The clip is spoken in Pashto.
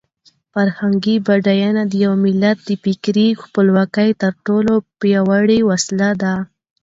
فرهنګي بډاینه د یو ملت د فکري خپلواکۍ تر ټولو پیاوړې وسله ده.